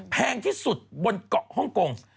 แพงที่สุดบนเกาะฮ่องกง